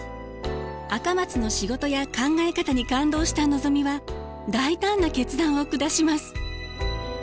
赤松の仕事や考え方に感動したのぞみは大胆な決断を下します。